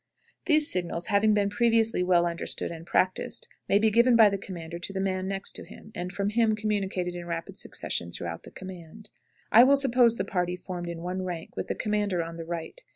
These signals, having been previously well understood and practiced, may be given by the commander to the man next to him, and from him communicated in rapid succession throughout the command. I will suppose the party formed in one rank, with the commander on the right.